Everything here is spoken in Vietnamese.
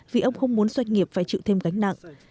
vì ông không muốn doanh nghiệp phải chịu thêm gánh nặng